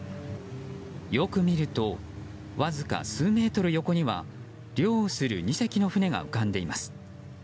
よく見るとわずか数メートル横には漁をする２隻の船が浮かんでいます。